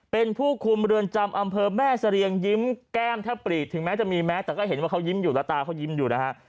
เป็นผู้คุมเรือนจำอำเภอแม่เสรียงยิ้มแก้มแทบปรีดถึงแม้จะมีแม้แต่ก็เห็นว่าเขายิ้มอยู่แล้วตาเขายิ้มอยู่นะฮะ